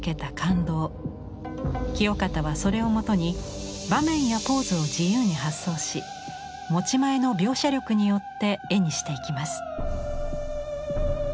清方はそれをもとに場面やポーズを自由に発想し持ち前の描写力よって絵にしていきます。